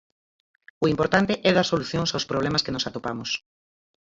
O importante é dar solucións aos problemas que nos atopamos.